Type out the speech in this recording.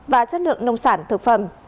và chất lượng nông sản thực phẩm